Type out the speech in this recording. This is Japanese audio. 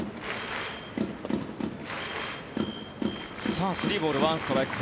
さあ、３ボール１ストライク。